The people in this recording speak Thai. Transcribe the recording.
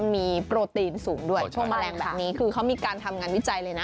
มีโปรตีนสูงด้วยช่วงแมลงแบบนี้คือเขามีการทำงานวิจัยเลยนะ